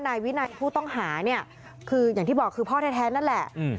นายวินัยผู้ต้องหาเนี่ยคืออย่างที่บอกคือพ่อแท้นั่นแหละ